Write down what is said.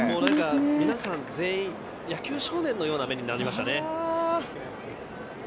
皆さん全員野球少年のような目になりましたね。